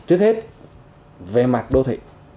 trước hết về mặt đô thị